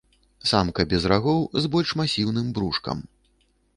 Самка без рагоў, з больш масіўным брушкам.